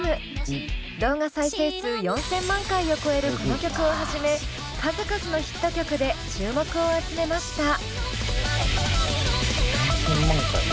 動画再生数４，０００万回を超えるこの曲をはじめ数々のヒット曲で注目を集めました。